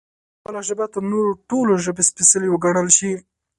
خپله ژبه تر نورو ټولو ژبو سپېڅلې وګڼل شي